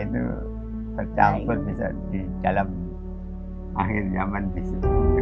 tercampur bisa di dalam akhir zaman bisa